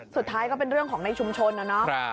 สุดท้ายก็เป็นเรื่องของในชุมชนนะ